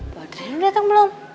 bu adriana udah dateng belum